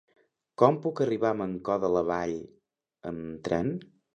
Com puc arribar a Mancor de la Vall amb tren?